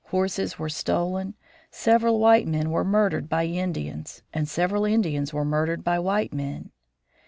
Horses were stolen. Several white men were murdered by Indians, and several Indians were murdered by white men.